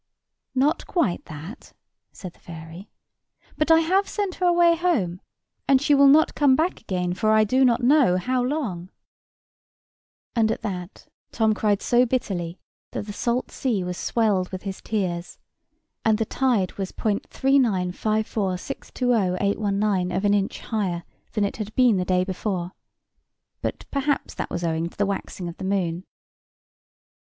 "Not quite that," said the fairy; "but I have sent her away home, and she will not come back again for I do not know how long." And at that Tom cried so bitterly that the salt sea was swelled with his tears, and the tide was .3,954,620,819 of an inch higher than it had been the day before: but perhaps that was owing to the waxing of the moon.